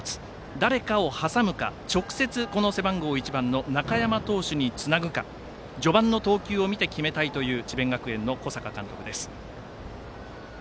誰かを挟むか直接背番号１番の中山投手につなぐか序盤の投球を見て決めたいという智弁学園の小坂監督です。